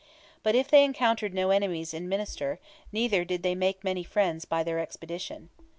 But if they encountered no enemies in Munster, neither did they make many friends by their expedition.